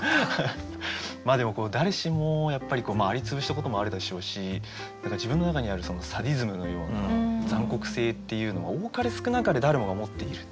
でも誰しもやっぱり蟻潰したこともあるでしょうし自分の中にあるそのサディズムのような残酷性っていうのは多かれ少なかれ誰もが持っている。